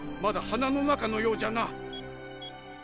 まだ鼻の中のようじゃな。